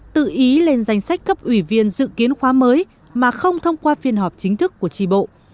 tự ý lên danh sách cấp ủy viên dự kiến khóa mới mà không thông qua phiên họp chính thức của tri bộ